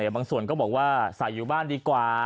บางส่วนก็บอกว่าใส่อยู่บ้านดีกว่า